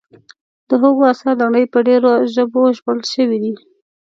د هوګو اثار د نړۍ په ډېرو ژبو ژباړل شوي دي.